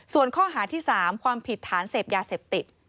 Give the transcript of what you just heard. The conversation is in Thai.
ส่วนข้อหาที่๓ความผิดฐานเสพยาเสพติด